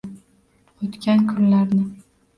«O’tgan kunlar»ni